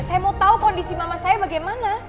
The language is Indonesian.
saya mau tahu kondisi mama saya bagaimana